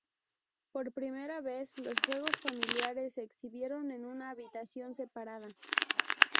Por primera vez, los juegos familiares se exhibieron en una habitación separada.